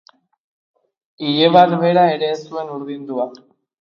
Ile bat bera ere ez zuen urdindua.